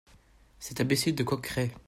Cet imbécile de Coqueret !